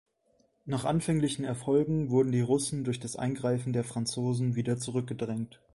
Nach anfänglichen Erfolgen wurden die Russen durch das Eingreifen der Franzosen wieder zurückgedrängt.